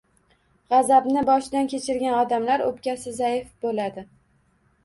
G’azabni boshidan kechirgan odamlar o’pkasi zaif bo‘ladi.